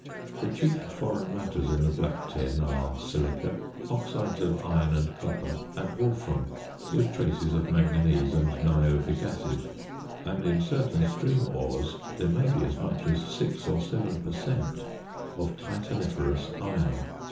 The chief foreign matters in the black tin are silica, oxides of iron and copper, and wolfram, with traces of manganese and niobic acid; and in certain stream ores there may be as much as 6 or 7 per cent. of titaniferous iron.